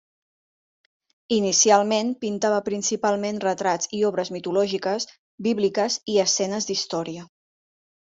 Inicialment pintava principalment retrats i obres mitològiques, bíbliques i escenes d'història.